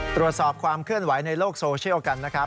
ตรวจสอบความเคลื่อนไหวในโลกโซเชียลกันนะครับ